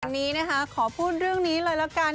วันนี้นะคะขอพูดเรื่องนี้เลยละกัน